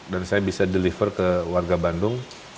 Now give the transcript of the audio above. dan saya bisa deliver ke warga bandung